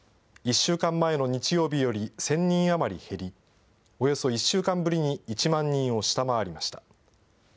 １週間前の日曜日より１０００人余り減り、およそ１週間ぶりに１万人を下回りました。